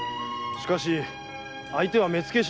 しかし相手は目付衆。